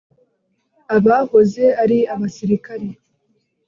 abahoze ari abasirikare